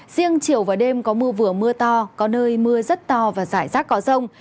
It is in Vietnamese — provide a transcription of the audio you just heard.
riêng chiều và đêm có mưa vừa mưa to có nơi mưa rất to và rải rác có rông